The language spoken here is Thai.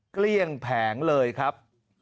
เกลี้ยงแผงเลยครับ